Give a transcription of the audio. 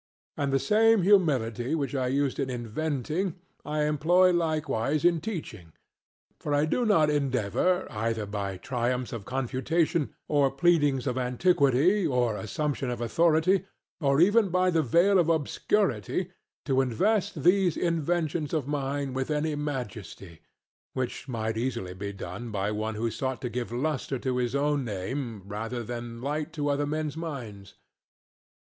And the same humility which I use in inventing I employ likewise in teaching. For I do not endeavour either by triumphs of confutation, or pleadings of antiquity, or assumption of authority, or even by the veil of obscurity, to invest these inventions of mine with any majesty; which might easily be done by one who sought to give lustre to his own name rather than light to other men's minds.